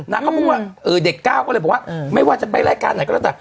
นางก็พูดว่าเออเด็กก้าวก็เลยบอกว่าอืมไม่ว่าจะไปรายการไหนก็ตั้งแต่